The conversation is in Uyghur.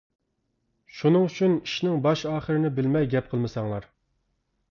شۇنىڭ ئۈچۈن، ئىشنىڭ باش-ئاخىرىنى بىلمەي گەپ قىلمىساڭلار.